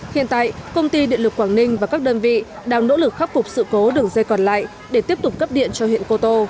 hiện tại công ty điện lực quảng ninh và các đơn vị đang nỗ lực khắc phục sự cố đường dây còn lại để tiếp tục cấp điện cho huyện cô tô